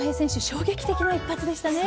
衝撃的な一発でしたね。